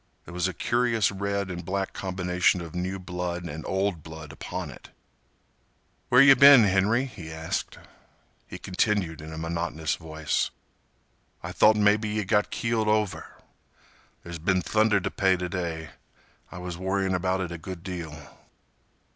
There was a curious red and black combination of new blood and old blood upon it. "Where yeh been, Henry?" he asked. He continued in a monotonous voice, "I thought mebbe yeh got keeled over. There been thunder t' pay t' day. I was worryin' about it a good deal."